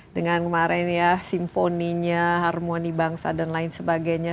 dengan kemarin ya simfoninya harmoni bangsa dan lain sebagainya